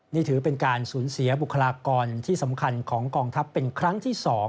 นี่ถือเป็นการสูญเสียบุคลากรที่สำคัญของกองทัพเป็นครั้งที่๒